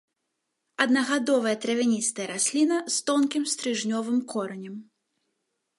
Аднагадовая травяністая расліна з тонкім стрыжнёвым коранем.